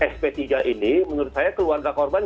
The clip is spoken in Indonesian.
sp tiga ini menurut saya keluarga korban